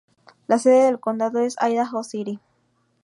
La sede del condado es Idaho City.